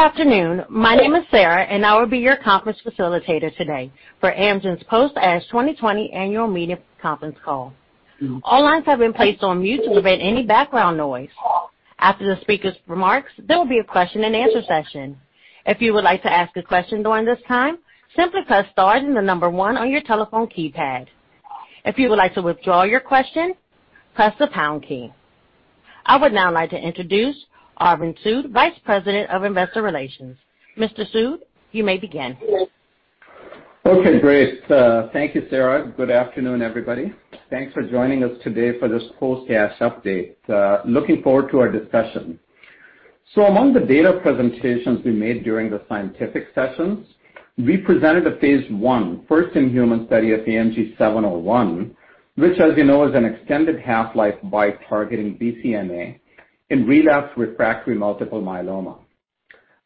Good afternoon. My name is Sarah, and I will be your conference facilitator today for Amgen's Post ASH 2020 Annual Media Conference Call. All lines have been placed on mute to prevent any background noise. After the speakers' remarks, there will be a question and answer session. If you would like to ask a question during this time, simply press star and the number one on your telephone keypad. If you would like to withdraw your question, press the pound key. I would now like to introduce Arvind Sood, Vice President of Investor Relations. Mr. Sood, you may begin. Okay, great. Thank you, Sarah. Good afternoon, everybody. Thanks for joining us today for this post ASH update. Looking forward to our discussion. Among the data presentations we made during the scientific sessions, we presented a phase I, first-in-human study of AMG 701, which as you know, is an extended half-life BiTE targeting BCMA in relapsed refractory multiple myeloma.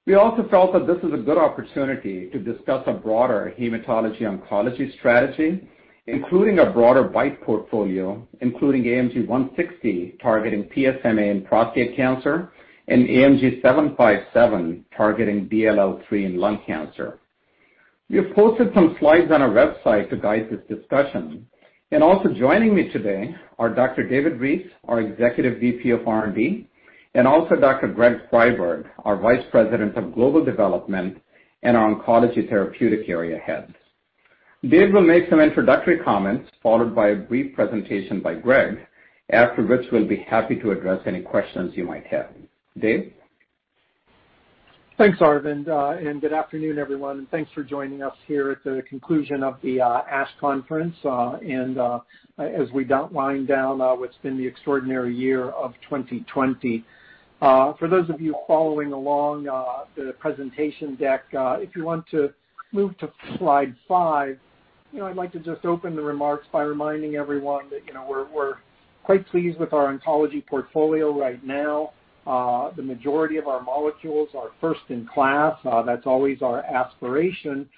We also felt that this is a good opportunity to discuss a broader hematology oncology strategy, including a broader BiTE portfolio, including AMG 160 targeting PSMA and prostate cancer, and AMG 757 targeting DLL3 and lung cancer. We have posted some slides on our website to guide this discussion, and also joining me today are Dr. David Reese, our Executive VP of R&D, and also Dr. Greg Friberg, our Vice President of Global Development and our oncology therapeutic area heads. Dave will make some introductory comments, followed by a brief presentation by Greg, after which we'll be happy to address any questions you might have. Dave? Thanks, Arvind, and good afternoon, everyone. Thanks for joining us here at the conclusion of the ASH Conference and as we wind down what's been the extraordinary year of 2020. For those of you following along the presentation deck, if you want to move to slide five, I'd like to just open the remarks by reminding everyone that we're quite pleased with our oncology portfolio right now. The majority of our molecules are first in class. That's always our aspiration.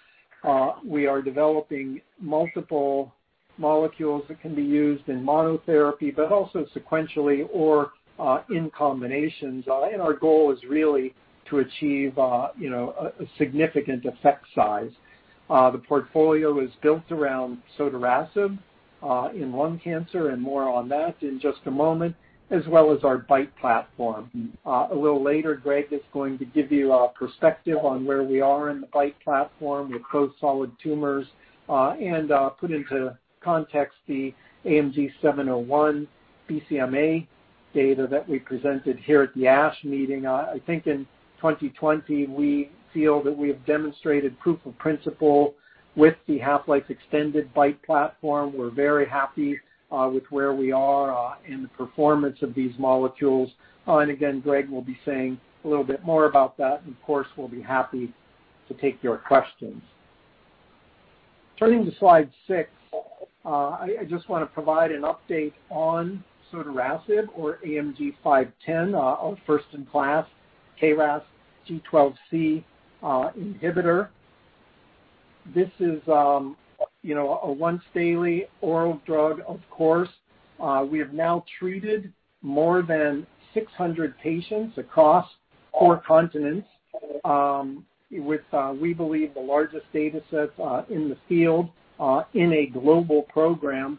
We are developing multiple molecules that can be used in monotherapy, but also sequentially or in combinations. Our goal is really to achieve a significant effect size. The portfolio is built around sotorasib in lung cancer, and more on that in just a moment, as well as our BiTE platform. A little later, Greg is going to give you a perspective on where we are in the BiTE platform with both solid tumors, and put into context the AMG 701 BCMA data that we presented here at the ASH Meeting. I think in 2020, we feel that we have demonstrated proof of principle with the half-life extended BiTE platform. We're very happy with where we are in the performance of these molecules. Again, Greg will be saying a little bit more about that, and of course, we'll be happy to take your questions. Turning to slide six, I just want to provide an update on sotorasib or AMG 510, our first in class KRAS G12C inhibitor. This is a once daily oral drug, of course. We have now treated more than 600 patients across four continents, with, we believe, the largest data set in the field in a global program.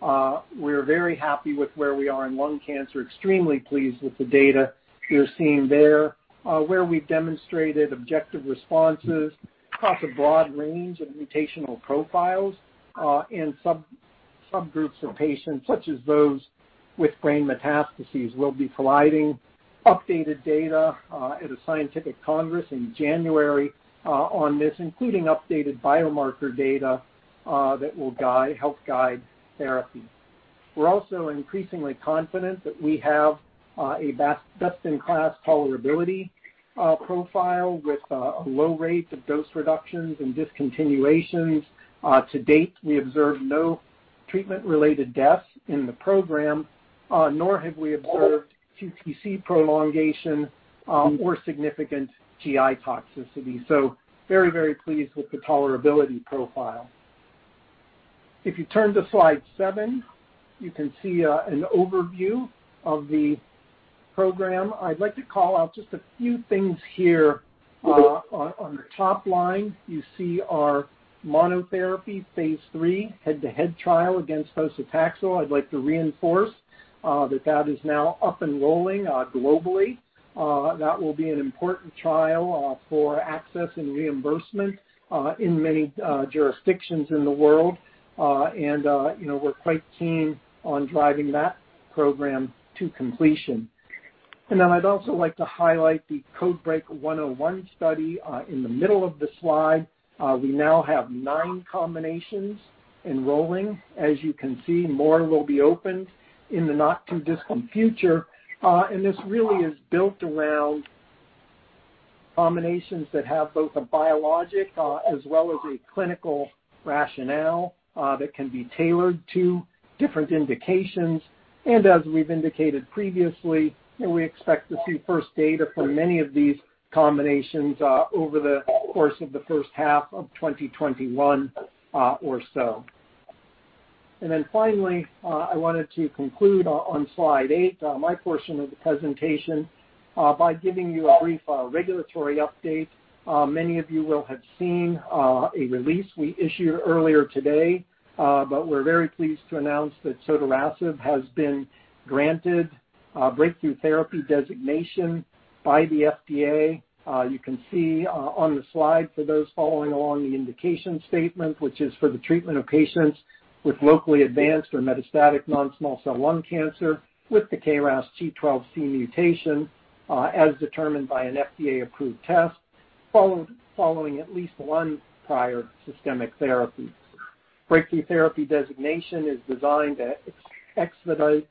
We're very happy with where we are in lung cancer, extremely pleased with the data you're seeing there, where we've demonstrated objective responses across a broad range of mutational profiles in subgroups of patients, such as those with brain metastases. We'll be providing updated data at a scientific congress in January on this, including updated biomarker data that will help guide therapy. We're also increasingly confident that we have a best in class tolerability profile with a low rate of dose reductions and discontinuations. To date, we observed no treatment related deaths in the program, nor have we observed QTc prolongation or significant GI toxicity. Very pleased with the tolerability profile. If you turn to slide seven, you can see an overview of the program. I'd like to call out just a few things here. On the top line, you see our monotherapy phase III head-to-head trial against docetaxel. I'd like to reinforce that that is now up and rolling globally. That will be an important trial for access and reimbursement in many jurisdictions in the world, and we're quite keen on driving that program to completion. I'd also like to highlight the CodeBreaK 101 study in the middle of the slide. We now have nine combinations enrolling. As you can see, more will be opened in the not too distant future. This really is built around combinations that have both a biologic as well as a clinical rationale that can be tailored to different indications. And as we've indicated previously, we expect to see first data for many of these combinations over the course of the first half of 2021 or so. And then finally, I wanted to conclude on slide eight, my portion of the presentation, by giving you a brief regulatory update. Many of you will have seen a release we issued earlier today, but we're very pleased to announce that sotorasib has been granted breakthrough therapy designation by the FDA. You can see on the slide, for those following along, the indication statement, which is for the treatment of patients with locally advanced or metastatic non-small cell lung cancer with the KRAS G12C mutation, as determined by an FDA-approved test, following at least one prior systemic therapy. Breakthrough therapy designation is designed to expedite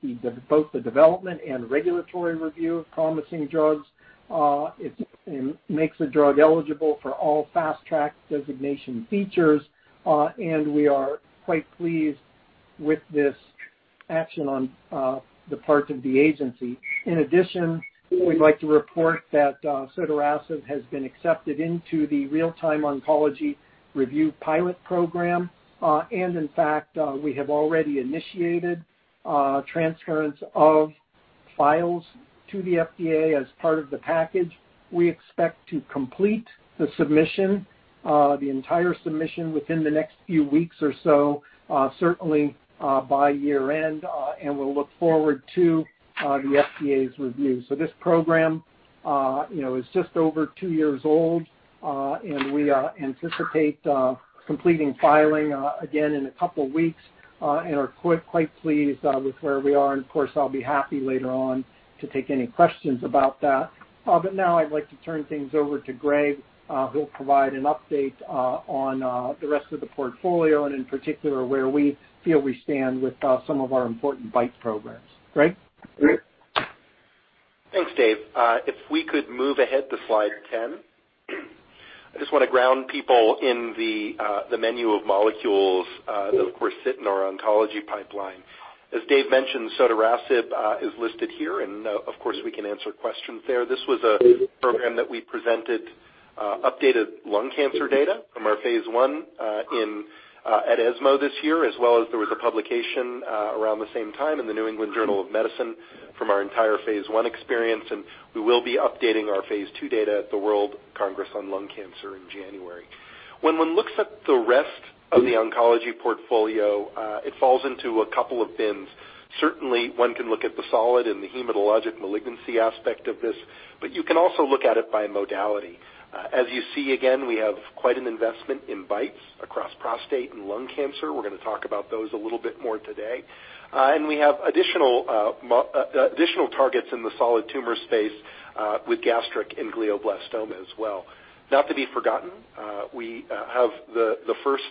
both the development and regulatory review of promising drugs. It makes a drug eligible for all fast track designation features. We are quite pleased with this action on the part of the agency. In addition, we'd like to report that sotorasib has been accepted into the Real-Time Oncology Review pilot program. In fact, we have already initiated transference of files to the FDA as part of the package. We expect to complete the submission, the entire submission, within the next few weeks or so, certainly by year-end. We'll look forward to the FDA's review. This program is just over two years old, and we anticipate completing filing again in a couple of weeks and are quite pleased with where we are. Of course, I'll be happy later on to take any questions about that. Now I'd like to turn things over to Greg, who'll provide an update on the rest of the portfolio and in particular, where we feel we stand with some of our important BiTE programs. Greg? Thanks, Dave. If we could move ahead to slide 10. I just want to ground people in the menu of molecules that, of course, sit in our oncology pipeline. As Dave mentioned, sotorasib is listed here, and of course, we can answer questions there. This was a program that we presented updated lung cancer data from our phase I at ESMO this year, as well as there was a publication around the same time in "The New England Journal of Medicine" from our entire phase I experience. We will be updating our phase II data at the World Congress on Lung Cancer in January. When one looks at the rest of the oncology portfolio, it falls into a couple of bins. Certainly, one can look at the solid and the hematologic malignancy aspect of this, but you can also look at it by modality. As you see again, we have quite an investment in BiTEs across prostate and lung cancer. We're going to talk about those a little bit more today. We have additional targets in the solid tumor space with gastric and glioblastoma as well. Not to be forgotten, we have the first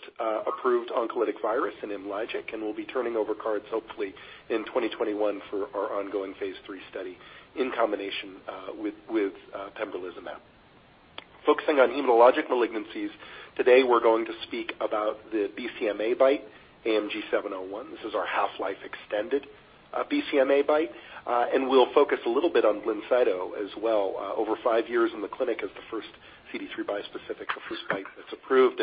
approved oncolytic virus in IMLYGIC and we'll be turning over cards hopefully in 2021 for our ongoing phase III study in combination with pembrolizumab. Focusing on hematologic malignancies, today we're going to speak about the BCMA BiTE, AMG 701. This is our half-life extended BCMA BiTE. We'll focus a little bit on BLINCYTO as well. Over five years in the clinic as the first CD3 bispecific, the first BiTE that's approved.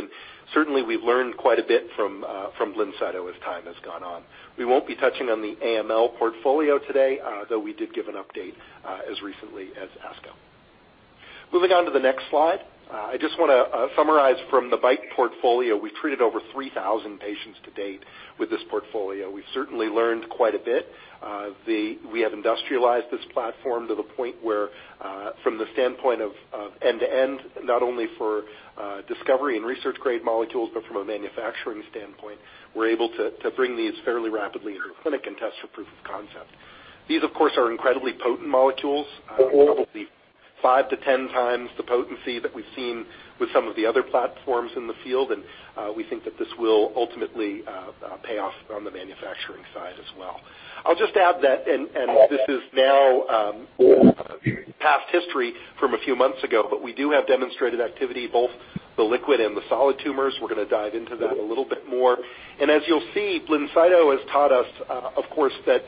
Certainly, we've learned quite a bit from BLINCYTO as time has gone on. We won't be touching on the AML portfolio today, though we did give an update as recently as ASCO. Moving on to the next slide. I just want to summarize from the BiTE portfolio, we've treated over 3,000 patients to date with this portfolio. We've certainly learned quite a bit. We have industrialized this platform to the point where from the standpoint of end-to-end, not only for discovery and research-grade molecules, but from a manufacturing standpoint, we're able to bring these fairly rapidly into the clinic and test for proof of concept. These, of course, are incredibly potent molecules, probably 5x-10x the potency that we've seen with some of the other platforms in the field, we think that this will ultimately pay off on the manufacturing side as well. I'll just add that, this is now past history from a few months ago, we do have demonstrated activity, both the liquid and the solid tumors. We're going to dive into that a little bit more. As you'll see, BLINCYTO has taught us, of course, that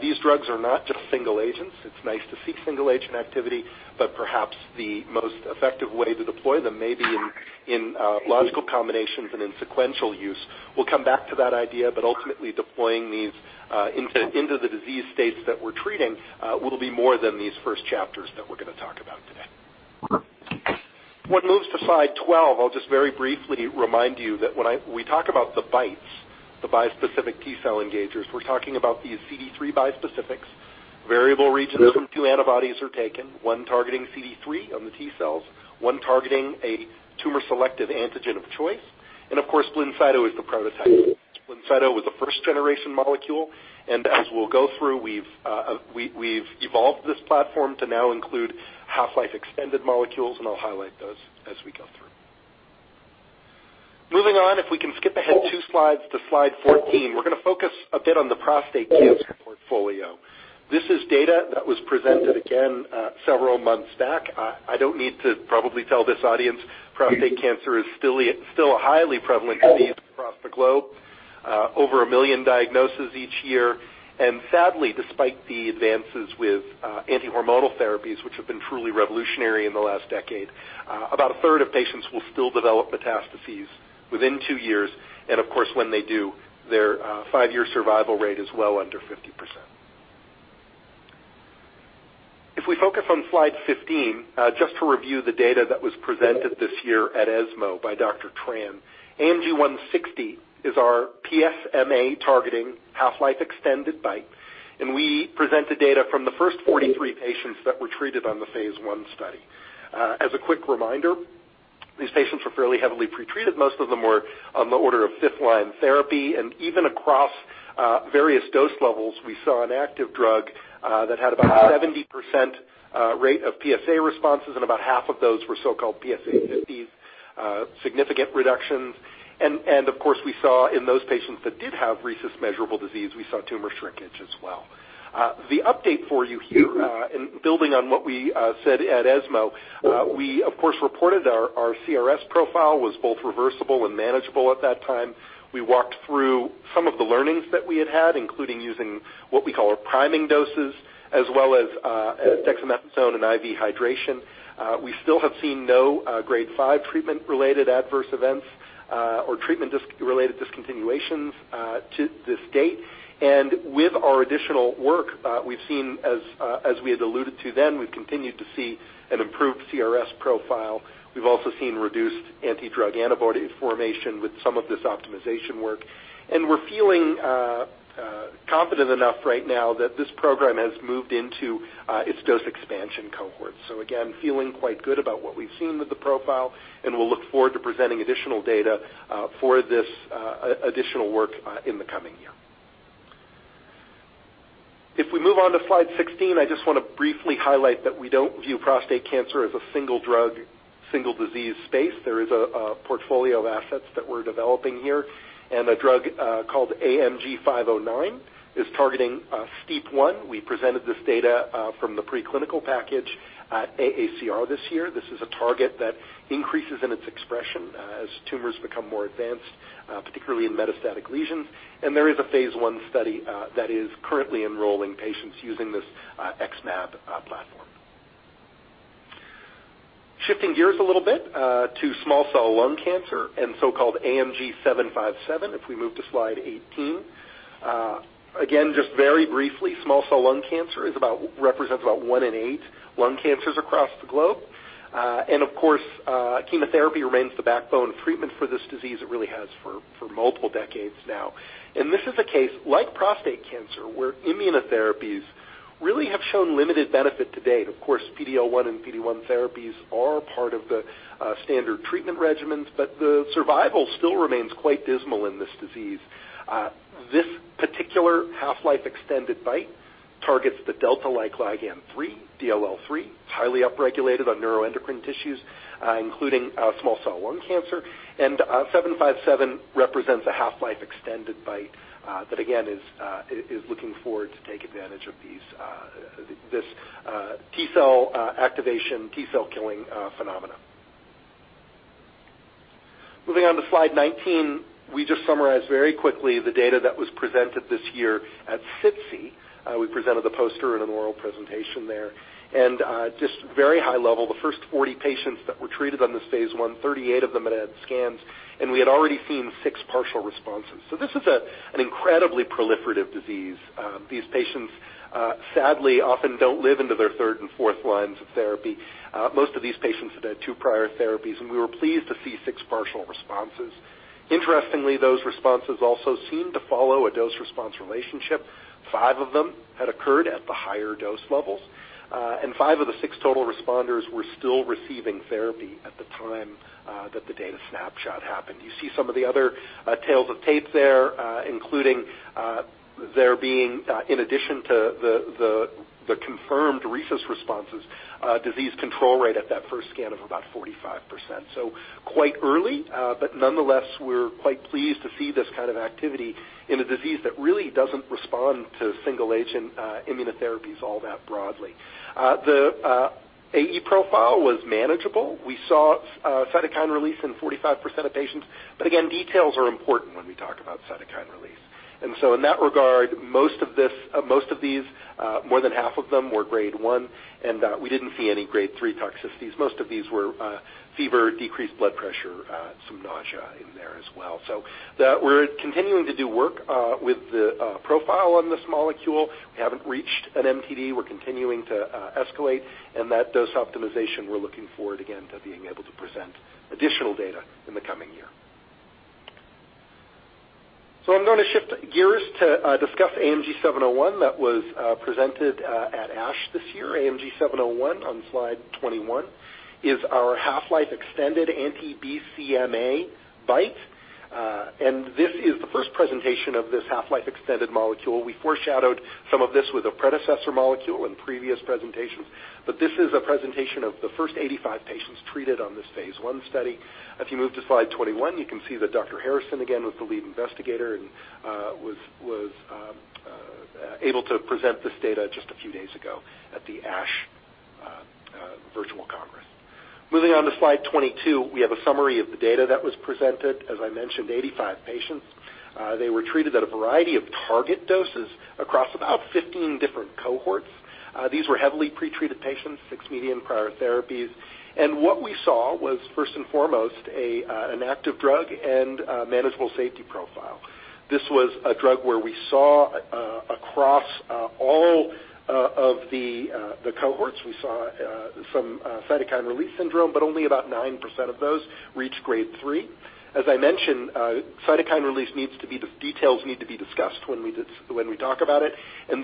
these drugs are not just single agents. It's nice to see single agent activity, perhaps the most effective way to deploy them may be in logical combinations and in sequential use. We'll come back to that idea, ultimately deploying these into the disease states that we're treating will be more than these first chapters that we're going to talk about today. When it moves to slide 12, I'll just very briefly remind you that when we talk about the BiTEs, the Bispecific T-cell Engagers, we're talking about these CD3 bispecifics. Variable regions from two antibodies are taken, one targeting CD3 on the T-cells, one targeting a tumor-selective antigen of choice. Of course, BLINCYTO is the prototype. BLINCYTO was a first-generation molecule, and as we'll go through, we've evolved this platform to now include half-life extended molecules, and I'll highlight those as we go through. Moving on, if we can skip ahead two slides to slide 14, we're going to focus a bit on the prostate cancer portfolio. This is data that was presented again several months back. I don't need to probably tell this audience, prostate cancer is still highly prevalent disease across the globe. Over a million diagnoses each year. Sadly, despite the advances with anti-hormonal therapies, which have been truly revolutionary in the last decade, about a third of patients will still develop metastases within two years, and of course, when they do, their five-year survival rate is well under 50%. If we focus on slide 15, just to review the data that was presented this year at ESMO by Dr. Tran. AMG 160 is our PSMA targeting half-life extended BiTE, and we presented data from the first 43 patients that were treated on the phase I study. As a quick reminder, these patients were fairly heavily pretreated. Most of them were on the order of fifth-line therapy. Even across various dose levels, we saw an active drug that had about 70% rate of PSA responses, and about half of those were so-called PSA50s significant reductions. Of course, we saw in those patients that did have RECIST measurable disease, we saw tumor shrinkage as well. The update for you here, building on what we said at ESMO, we of course reported our CRS profile was both reversible and manageable at that time. We walked through some of the learnings that we had had, including using what we call our priming doses, as well as dexamethasone and IV hydration. We still have seen no Grade 5 treatment related adverse events or treatment related discontinuations to this date. With our additional work, we've seen as we had alluded to then, we've continued to see an improved CRS profile. We've also seen reduced anti-drug antibody formation with some of this optimization work. We're feeling confident enough right now that this program has moved into its dose expansion cohort. Again, feeling quite good about what we've seen with the profile, and we'll look forward to presenting additional data for this additional work in the coming year. If we move on to slide 16, I just want to briefly highlight that we don't view prostate cancer as a single drug, single disease space. There is a portfolio of assets that we're developing here, and a drug called AMG 509 is targeting STEAP1. We presented this data from the pre-clinical package at AACR this year. This is a target that increases in its expression as tumors become more advanced, particularly in metastatic lesions. There is a phase I study that is currently enrolling patients using this XmAb platform. Shifting gears a little bit to small cell lung cancer and so-called AMG 757, if we move to slide 18. Again just very briefly, small cell lung cancer represents about one in eight lung cancers across the globe. Of course, chemotherapy remains the backbone of treatment for this disease, it really has for multiple decades now. And this is a case like prostate cancer, where immunotherapies really have shown limited benefit to date. Of course, PD-L1 and PD-1 therapies are part of the standard treatment regimens, but the survival still remains quite dismal in this disease. This particular half-life extended BiTE targets the delta-like ligand 3, DLL3, highly upregulated on neuroendocrine tissues including small cell lung cancer. 757 represents a half-life extended BiTE that again is looking forward to take advantage of this T-cell activation, T-cell killing phenomena. Moving on to slide 19. We just summarized very quickly the data that was presented this year at SITC. We presented the poster in an oral presentation there, and just very high level, the first 40 patients that were treated on this phase I, 38 of them had had scans, and we had already seen six partial responses. This is an incredibly proliferative disease. These patients sadly, often don't live into their third and fourth lines of therapy. Most of these patients have had two prior therapies, and we were pleased to see six partial responses. Interestingly, those responses also seemed to follow a dose response relationship. Five of them had occurred at the higher dose levels, and five of the six total responders were still receiving therapy at the time that the data snapshot happened. You see some of the other tales of tape there, including there being in addition to the confirmed RECIST responses, disease control rate at that first scan of about 45%. Quite early, but nonetheless, we're quite pleased to see this kind of activity in a disease that really doesn't respond to single agent immunotherapies all that broadly. The AE profile was manageable. We saw cytokine release in 45% of patients. Again, details are important when we talk about cytokine release. In that regard, most of these, more than half of them were Grade 1, and we didn't see any Grade 3 toxicities. Most of these were fever, decreased blood pressure, some nausea in there as well. We're continuing to do work with the profile on this molecule. We haven't reached an MTD, we're continuing to escalate, and that dose optimization, we're looking forward again to being able to present additional data in the coming year. I'm going to shift gears to discuss AMG 701 that was presented at ASH this year. AMG 701 on slide 21 is our half-life extended anti BCMA BiTE. This is the first presentation of this half-life extended molecule. We foreshadowed some of this with a predecessor molecule in previous presentations. This is a presentation of the first 85 patients treated on this phase I study. If you move to slide 21, you can see that Dr. Harrison again was the lead investigator and was able to present this data just a few days ago at the ASH Virtual Congress. Moving on to slide 22, we have a summary of the data that was presented. As I mentioned, 85 patients. They were treated at a variety of target doses across about 15 different cohorts. These were heavily pretreated patients, six median prior therapies. What we saw was, first and foremost, an active drug and manageable safety profile. This was a drug where we saw across all of the cohorts, we saw some cytokine release syndrome, but only about 9% of those reached Grade 3. As I mentioned, cytokine release details need to be discussed when we talk about it.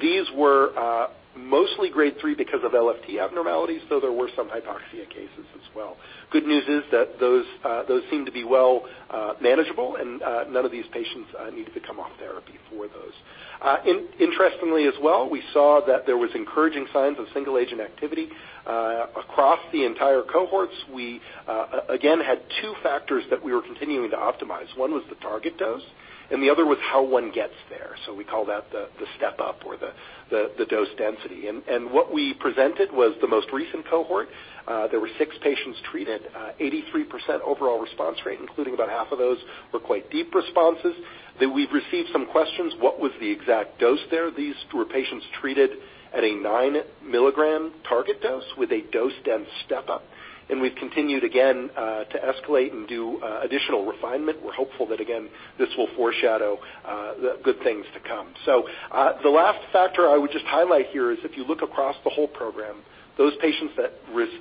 These were mostly Grade 3 because of LFT abnormalities, though there were some hypoxia cases as well. Good news is that those seem to be well manageable and none of these patients needed to come off therapy for those. Interestingly as well, we saw that there was encouraging signs of single agent activity across the entire cohorts. We again had two factors that we were continuing to optimize. One was the target dose and the other was how one gets there. We call that the step up or the dose density. What we presented was the most recent cohort. There were six patients treated, 83% overall response rate, including about half of those were quite deep responses. We've received some questions, what was the exact dose there? These were patients treated at a 9 mg target dose with a dose dense step-up, and we've continued again, to escalate and do additional refinement. We're hopeful that, again, this will foreshadow good things to come. The last factor I would just highlight here is if you look across the whole program, those patients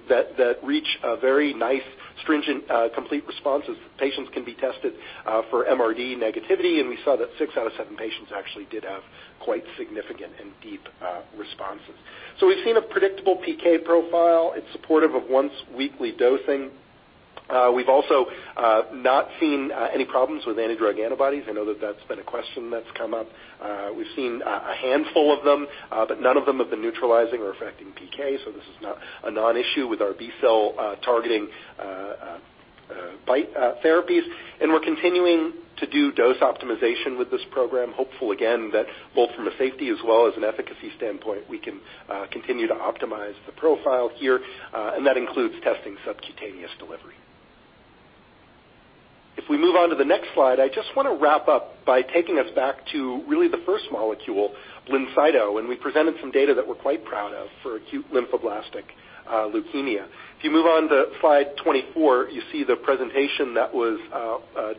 that reach a very nice stringent, complete responses, patients can be tested for MRD negativity, and we saw that six out of seven patients actually did have quite significant and deep responses. We've seen a predictable PK profile. It's supportive of once-weekly dosing. We've also not seen any problems with anti-drug antibodies. I know that that's been a question that's come up. We've seen a handful of them, but none of them have been neutralizing or affecting PK. This is a non-issue with our B-cell targeting BiTE therapies. We're continuing to do dose optimization with this program, hopeful again that both from a safety as well as an efficacy standpoint, we can continue to optimize the profile here. That includes testing subcutaneous delivery. If we move on to the next slide, I just want to wrap up by taking us back to really the first molecule, BLINCYTO, and we presented some data that we're quite proud of for acute lymphoblastic leukemia. If you move on to slide 24, you see the presentation that was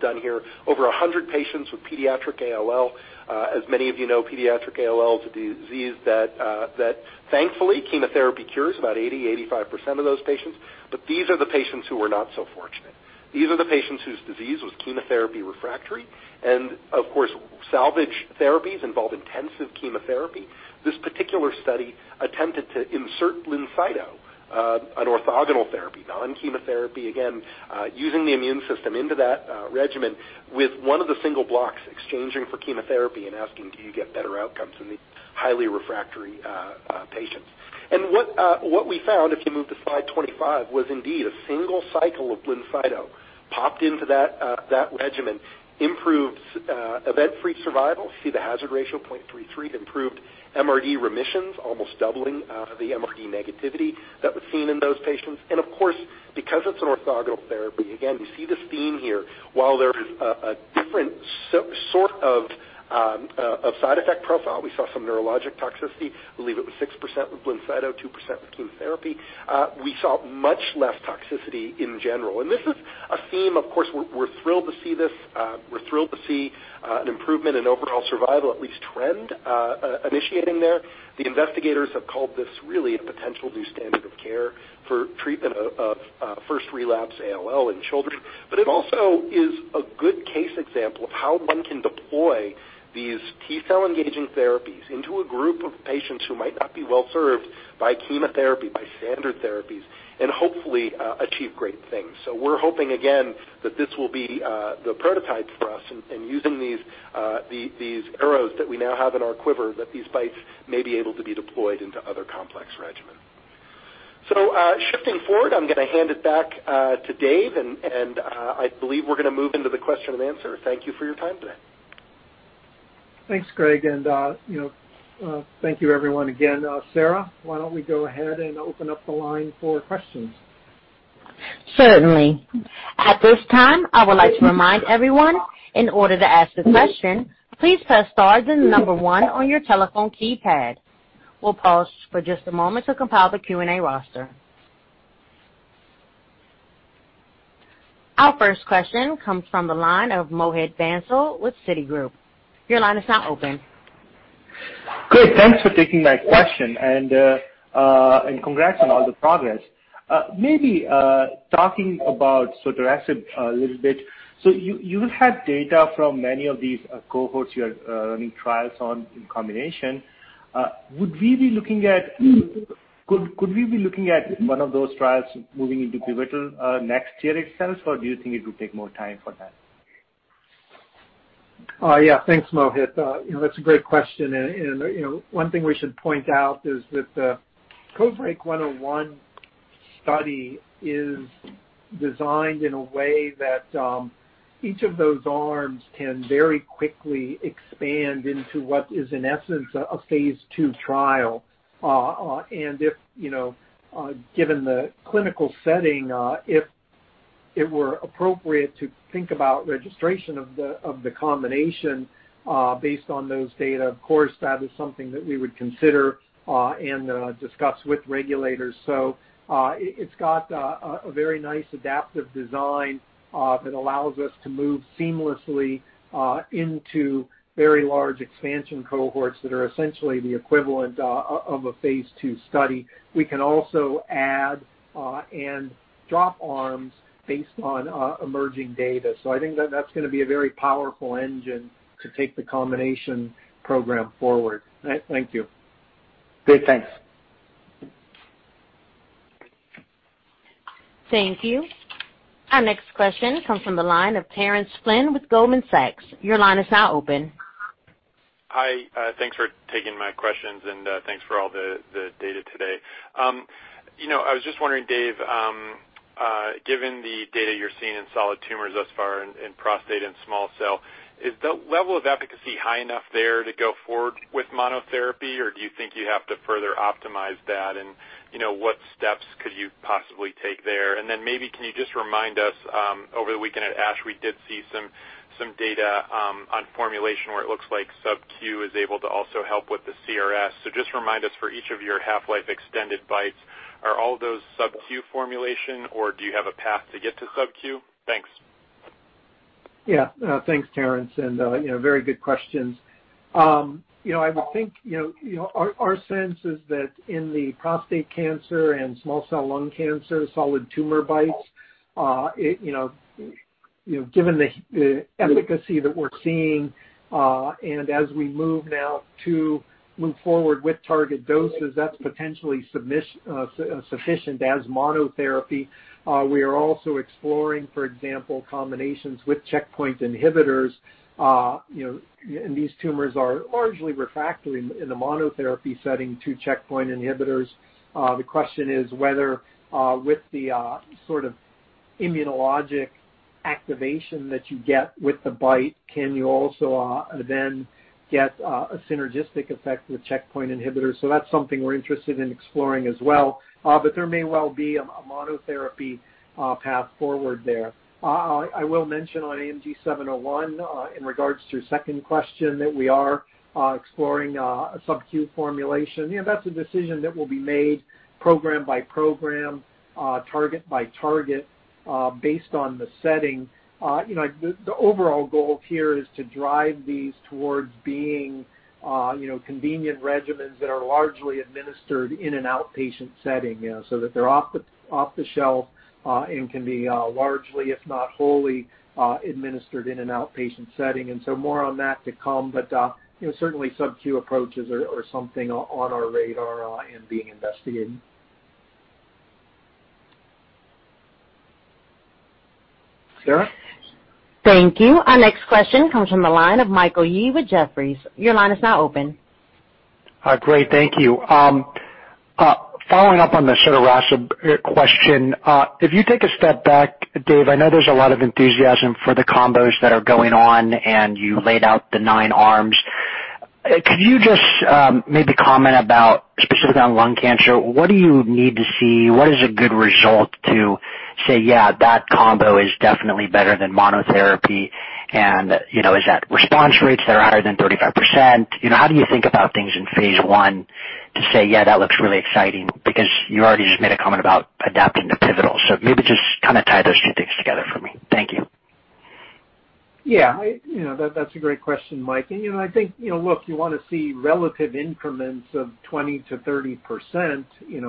done here. Over 100 patients with pediatric ALL. As many of you know, pediatric ALL is a disease that thankfully chemotherapy cures about 80%, 85% of those patients. These are the patients who were not so fortunate. These are the patients whose disease was chemotherapy refractory, and of course, salvage therapies involve intensive chemotherapy. This particular study attempted to insert BLINCYTO, an orthogonal therapy, non-chemotherapy, again, using the immune system into that regimen with one of the single blocks exchanging for chemotherapy and asking, do you get better outcomes in these highly refractory patients? What we found, if you move to slide 25, was indeed a single cycle of BLINCYTO popped into that regimen, improved event-free survival. See the hazard ratio, 0.33, improved MRD remissions, almost doubling the MRD negativity that was seen in those patients. Of course, because it's an orthogonal therapy, again, you see this theme here. While there is a different sort of side effect profile, we saw some neurologic toxicity. I believe it was 6% with BLINCYTO, 2% with chemotherapy. We saw much less toxicity in general. This is a theme, of course, we're thrilled to see this. We're thrilled to see an improvement in overall survival, at least trend initiating there. The investigators have called this really a potential new standard of care for treatment of first relapse ALL in children. It also is a good case example of how one can deploy these T-cell engaging therapies into a group of patients who might not be well-served by chemotherapy, by standard therapies, and hopefully achieve great things. We're hoping again that this will be the prototype for us in using these arrows that we now have in our quiver that these BiTEs may be able to be deployed into other complex regimen. Shifting forward, I'm going to hand it back to Dave, and I believe we're going to move into the question and answer. Thank you for your time today. Thanks, Greg, and thank you everyone again. Sarah, why don't we go ahead and open up the line for questions? Certainly. At this time, I would like to remind everyone in order to ask a question, please press star, then number one on your telephone keypad. We'll pause for just a moment to compile the Q&A roster. Our first question comes from the line of Mohit Bansal with Citigroup. Your line is now open. Greg, thanks for taking my question and congrats on all the progress. Maybe talking about sotorasib a little bit. You've had data from many of these cohorts you are running trials on in combination. Could we be looking at one of those trials moving into pivotal next year itself, or do you think it would take more time for that? Yeah. Thanks, Mohit. That's a great question. One thing we should point out is that the CodeBreaK 101 study is designed in a way that each of those arms can very quickly expand into what is, in essence, a phase II trial. And if you know, given the clinical setting, if it were appropriate to think about registration of the combination based on those data, of course, that is something that we would consider and discuss with regulators. It's got a very nice adaptive design that allows us to move seamlessly into very large expansion cohorts that are essentially the equivalent of a phase II study. We can also add and drop arms based on emerging data. I think that's going to be a very powerful engine to take the combination program forward. Thank you. Great. Thanks. Thank you. Our next question comes from the line of Terence Flynn with Goldman Sachs. Your line is now open. Hi. Thanks for taking my questions, and thanks for all the data today. I was just wondering, Dave, given the data you're seeing in solid tumors thus far in prostate and small cell, is the level of efficacy high enough there to go forward with monotherapy, or do you think you have to further optimize that? What steps could you possibly take there? Maybe can you just remind us, over the weekend at ASH, we did see some data on formulation where it looks like sub-Q is able to also help with the CRS. Just remind us for each of your half-life extended BiTEs, are all those sub-Q formulation or do you have a path to get to sub-Q? Thanks. Thanks, Terence. Very good questions. I would think our sense is that in the prostate cancer and small cell lung cancer solid tumor BiTEs, given the efficacy that we're seeing, and as we move now to move forward with target doses, that's potentially sufficient as monotherapy. We are also exploring, for example, combinations with checkpoint inhibitors, and these tumors are largely refractory in the monotherapy setting to checkpoint inhibitors. The question is whether, with the sort of immunologic activation that you get with the BiTE, can you also then get a synergistic effect with checkpoint inhibitors? That's something we're interested in exploring as well. There may well be a monotherapy path forward there. I will mention on AMG 701, in regards to your second question, that we are exploring a sub-Q formulation. That's a decision that will be made program by program, target by target, based on the setting. The overall goal here is to drive these towards being convenient regimens that are largely administered in an outpatient setting, so that they're off the shelf and can be largely, if not wholly, administered in an outpatient setting. And so more on that to come, but certainly sub-Q approaches are something on our radar and being investigated. Sarah? Thank you. Our next question comes from the line of Michael Yee with Jefferies. Your line is now open. Great. Thank you. Following up on the sotorasib question. If you take a step back, Dave, I know there's a lot of enthusiasm for the combos that are going on, and you laid out the nine arms. Could you just maybe comment about, specifically on lung cancer, what do you need to see? What is a good result to say, yeah, that combo is definitely better than monotherapy and is that response rates that are higher than 35%? How do you think about things in phase I to say, yeah, that looks really exciting, because you already just made a comment about adapting to pivotal. Maybe just kind of tie those two things together for me. Thank you. Yeah. That's a great question, Mike. I think, look, you want to see relative increments of 20%-30%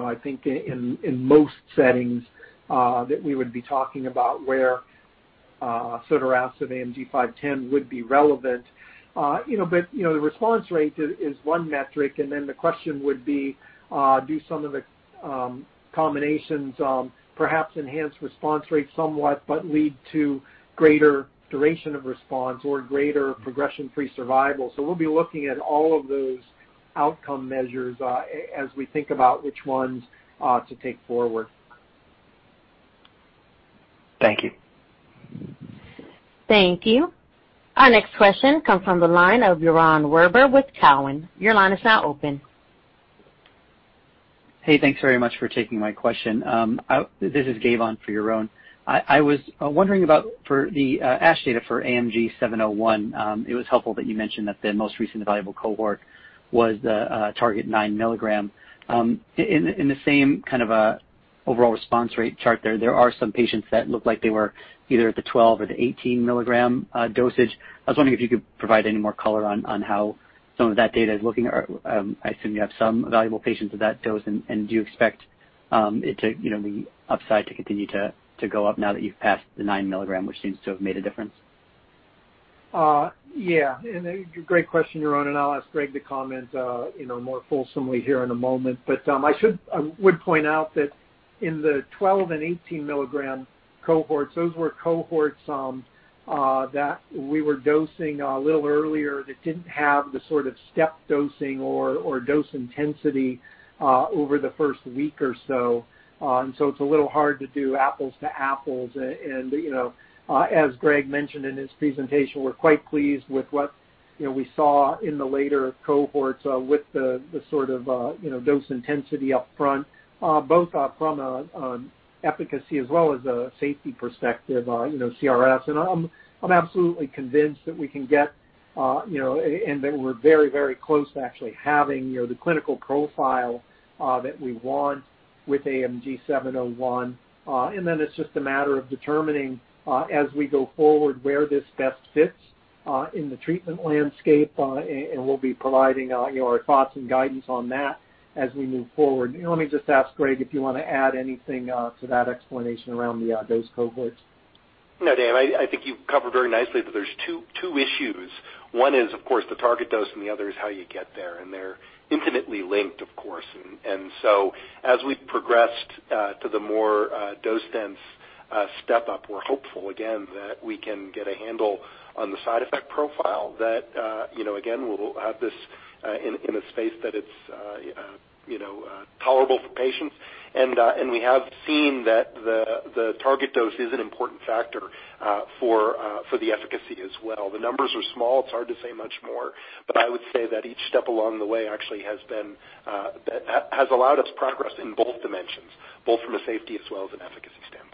I think in most settings that we would be talking about where sotorasib AMG 510 would be relevant. The response rate is one metric, then the question would be, do some of the combinations perhaps enhance response rates somewhat but lead to greater duration of response or greater progression-free survival? We'll be looking at all of those outcome measures as we think about which ones to take forward. Thank you. Thank you. Our next question comes from the line of Yaron Werber with Cowen. Your line is now open. Hey, thanks very much for taking my question. This is Gavon for Yaron. I was wondering about for the ASH data for AMG 701. It was helpful that you mentioned that the most recent evaluable cohort was the target 9 mg. In the same kind of overall response rate chart there are some patients that look like they were either at the 12 mg or the 18 mg dosage. I was wondering if you could provide any more color on how some of that data is looking. I assume you have some evaluable patients at that dose, and do you expect the upside to continue to go up now that you've passed the 9 mg, which seems to have made a difference? Yeah. Great question, Yaron, I'll ask Greg to comment more fulsomely here in a moment. I would point out that in the 12 mg and 18 mg cohorts, those were cohorts that we were dosing a little earlier that didn't have the sort of step dosing or dose intensity over the first week or so. It's a little hard to do apples to apples. As Greg mentioned in his presentation, we're quite pleased with what we saw in the later cohorts with the sort of dose intensity up front, both from an efficacy as well as a safety perspective, CRS. I'm absolutely convinced that we can get, and that we're very close to actually having the clinical profile that we want with AMG 701. It's just a matter of determining as we go forward where this best fits in the treatment landscape, and we'll be providing our thoughts and guidance on that as we move forward. Let me just ask Greg if you want to add anything to that explanation around those cohorts. No, Dave, I think you've covered very nicely that there's two issues. One is, of course, the target dose, and the other is how you get there, and they're intimately linked, of course. So as we've progressed to the more dose-dense step-up, we're hopeful again that we can get a handle on the side effect profile that, again, we'll have this in a space that it's tolerable for patients. We have seen that the target dose is an important factor for the efficacy as well. The numbers are small, it's hard to say much more, but I would say that each step along the way actually has allowed us progress in both dimensions, both from a safety as well as an efficacy standpoint.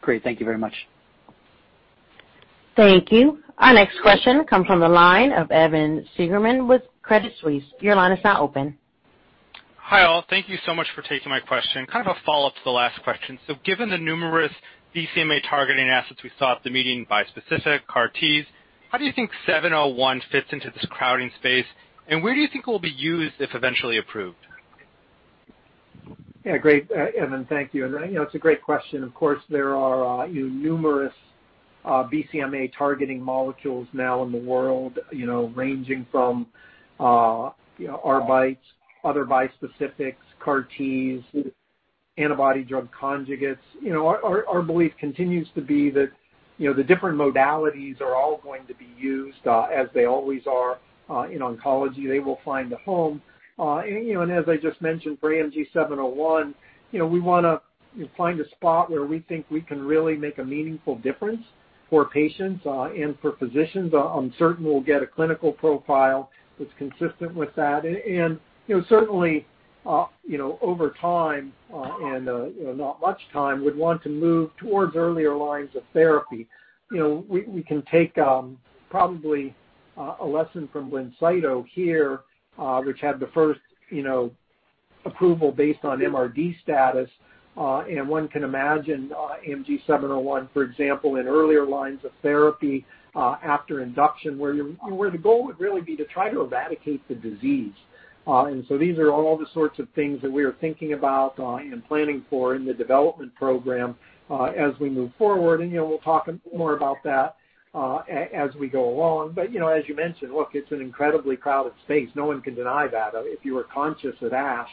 Great. Thank you very much. Thank you. Our next question comes from the line of Evan Seigerman with Credit Suisse. Your line is now open. Hi, all. Thank you so much for taking my question. Kind of a follow-up to the last question. Given the numerous BCMA targeting assets we saw at the meeting, bispecific, CAR T, how do you think 701 fits into this crowding space, and where do you think it will be used if eventually approved? Yeah, great, Evan. Thank you. It's a great question. Of course, there are numerous BCMA targeting molecules now in the world, ranging from our BiTEs, other bispecifics, CAR Ts, antibody drug conjugates. Our belief continues to be that the different modalities are all going to be used as they always are in oncology. They will find a home. As I just mentioned, for AMG 701, we want to find a spot where we think we can really make a meaningful difference for patients and for physicians. I'm certain we'll get a clinical profile that's consistent with that. Certainly, over time, and not much time, we'd want to move towards earlier lines of therapy. We can take probably a lesson from BLINCYTO here, which had the first approval based on MRD status. One can imagine AMG 701, for example, in earlier lines of therapy after induction, where the goal would really be to try to eradicate the disease. These are all the sorts of things that we are thinking about and planning for in the development program as we move forward. We'll talk more about that as we go along. As you mentioned, look, it's an incredibly crowded space. No one can deny that. If you were conscious at ASH,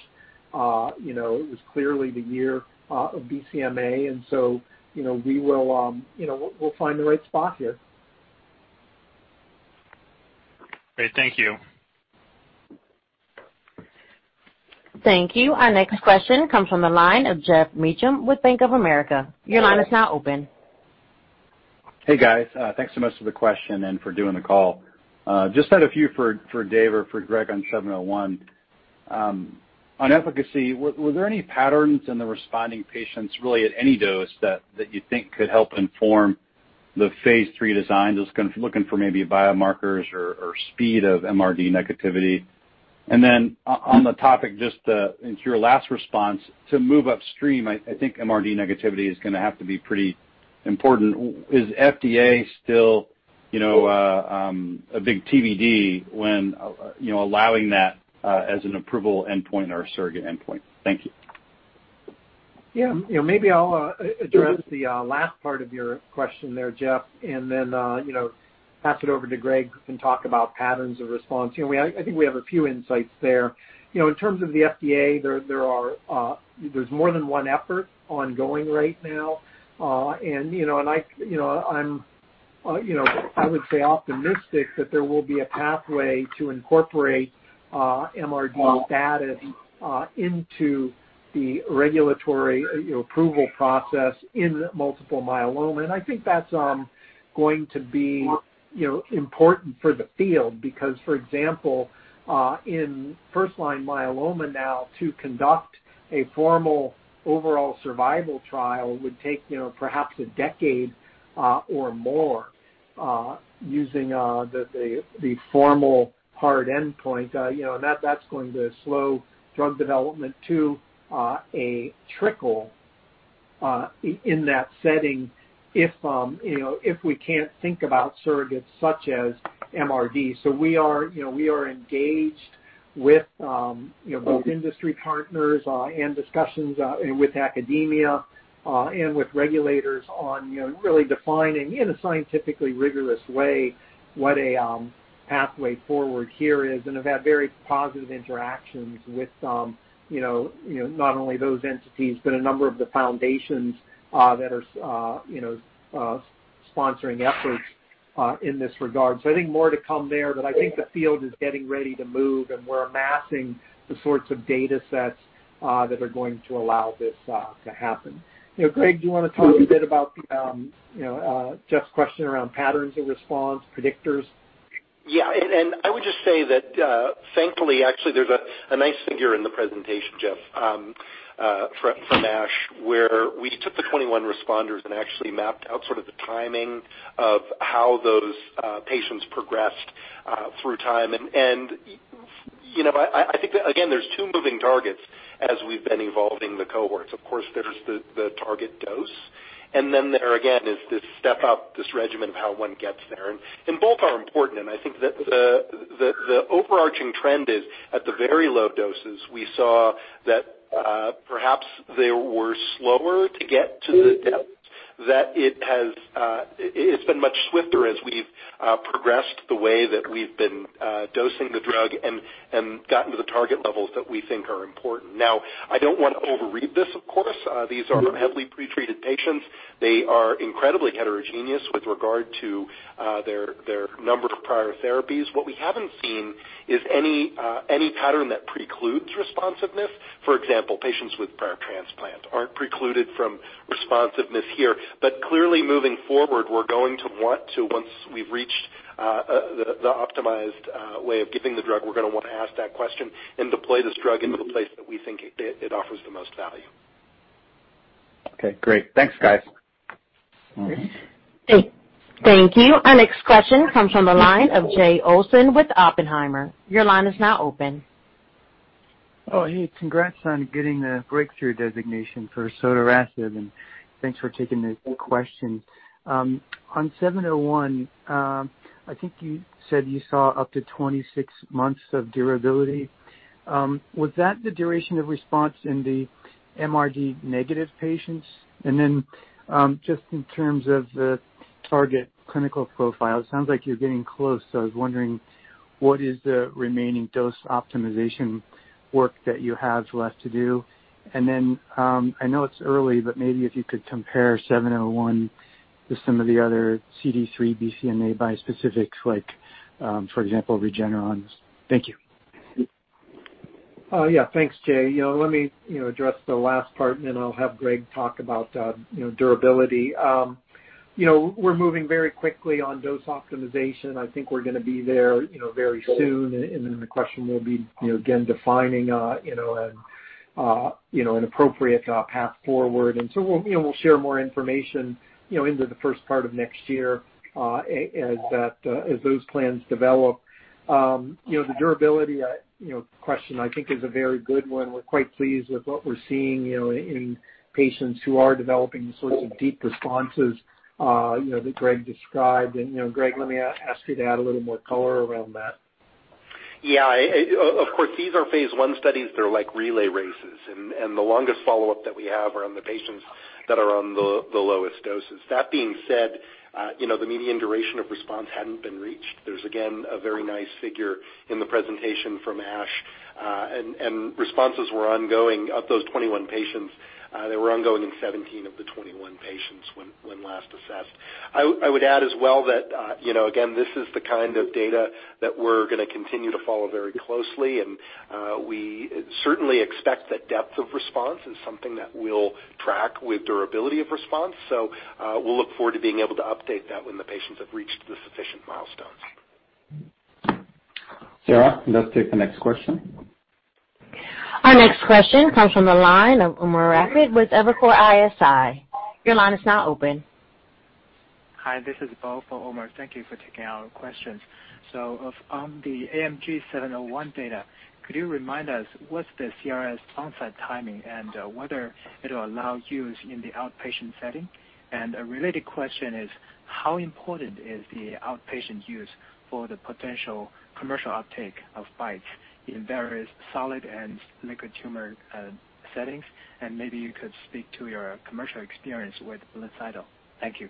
it was clearly the year of BCMA, and so we'll find the right spot here. Great. Thank you. Thank you. Our next question comes from the line of Geoff Meacham with Bank of America. Your line is now open. Hey, guys. Thanks so much for the question and for doing the call. Just had a few for Dave or for Greg on 701. On efficacy, were there any patterns in the responding patients really at any dose that you think could help inform the phase III design just looking for maybe biomarkers or speed of MRD negativity? On the topic just to your last response, to move upstream, I think MRD negativity is going to have to be pretty important. Is FDA still a big TBD when allowing that as an approval endpoint or a surrogate endpoint? Thank you. Yeah. Maybe I'll address the last part of your question there, Geoff, and then pass it over to Greg and talk about patterns of response. I think we have a few insights there. In terms of the FDA, there's more than one effort ongoing right now. I would say optimistic that there will be a pathway to incorporate MRD status into the regulatory approval process in multiple myeloma. I think that's going to be important for the field because, for example, in first-line myeloma now, to conduct a formal overall survival trial would take perhaps a decade or more using the formal hard endpoint. That's going to slow drug development to a trickle in that setting if we can't think about surrogates such as MRD. We are engaged with both industry partners and discussions with academia and with regulators on really defining, in a scientifically rigorous way, what a pathway forward here is, and have had very positive interactions with not only those entities, but a number of the foundations that are sponsoring efforts in this regard. I think more to come there, but I think the field is getting ready to move, and we're amassing the sorts of datasets that are going to allow this to happen. Greg, do you want to talk a bit about Geoff's question around patterns of response, predictors? Yeah. I would just say that, thankfully, actually, there's a nice figure in the presentation, Geoff, from ASH, where we took the 21 responders and actually mapped out sort of the timing of how those patients progressed through time. I think that, again, there's two moving targets as we've been evolving the cohorts. Of course, there's the target dose. Then there again, is this step up, this regimen of how one gets there, and both are important. I think that the overarching trend is at the very low doses, we saw that perhaps they were slower to get to the depths, that it's been much swifter as we've progressed the way that we've been dosing the drug and gotten to the target levels that we think are important. Now, I don't want to overread this, of course. These are heavily pretreated patients. They are incredibly heterogeneous with regard to their number of prior therapies. What we haven't seen is any pattern that precludes responsiveness. For example, patients with prior transplant aren't precluded from responsiveness here. Clearly moving forward, once we've reached the optimized way of giving the drug, we're going to want to ask that question and deploy this drug into the place that we think it offers the most value. Okay, great. Thanks, guys. Thank you. Our next question comes from the line of Jay Olson with Oppenheimer. Your line is now open. Oh, hey, congrats on getting the breakthrough designation for sotorasib. Thanks for taking the questions. On 701, I think you said you saw up to 26 months of durability. Was that the duration of response in the MRD negative patients? Just in terms of the target clinical profile, it sounds like you're getting close. I was wondering, what is the remaining dose optimization work that you have left to do? And then I know it's early, but maybe if you could compare 701 to some of the other CD3 BCMA bispecifics like, for example, Regeneron's. Thank you. Yeah. Thanks, Jay. Let me address the last part, and then I'll have Greg talk about durability. We're moving very quickly on dose optimization. I think we're going to be there very soon, and then the question will be, again, defining an appropriate path forward. We'll share more information into the first part of next year as those plans develop. The durability question, I think, is a very good one. We're quite pleased with what we're seeing in patients who are developing the sorts of deep responses that Greg described. Greg, let me ask you to add a little more color around that. Yeah. Of course, these are phase I studies that are like relay races, and the longest follow-up that we have are on the patients that are on the lowest doses. That being said, the median duration of response hadn't been reached. There's again, a very nice figure in the presentation from ASH, and responses were ongoing. Of those 21 patients, they were ongoing in 17 of the 21 patients when last assessed. I would add as well that again, this is the kind of data that we're going to continue to follow very closely, and we certainly expect that depth of response is something that we'll track with durability of response. We'll look forward to being able to update that when the patients have reached the sufficient milestones. Sarah, let's take the next question. Our next question comes from the line of Umer Raffat with Evercore ISI. Your line is now open. Hi, this is Bo for Umer. Thank you for taking our questions. On the AMG 701 data, could you remind us what's the CRS onset timing and whether it'll allow use in the outpatient setting? A related question is, how important is the outpatient use for the potential commercial uptake of BiTE in various solid and liquid tumor settings? Maybe you could speak to your commercial experience with BLINCYTO. Thank you.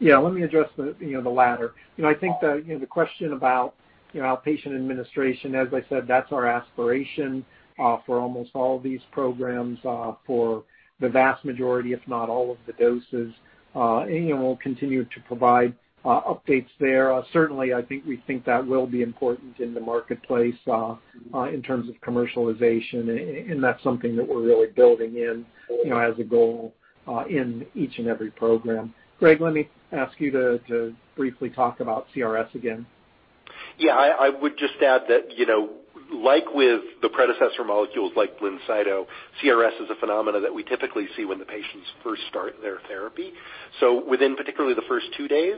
Yeah, let me address the latter. I think the question about outpatient administration, as I said, that's our aspiration for almost all of these programs for the vast majority, if not all of the doses, and we'll continue to provide updates there. I think we think that will be important in the marketplace in terms of commercialization, and that's something that we're really building in as a goal in each and every program. Greg, let me ask you to briefly talk about CRS again. Yeah, I would just add that, like with the predecessor molecules like BLINCYTO, CRS is a phenomena that we typically see when the patients first start their therapy. Within particularly the first two days,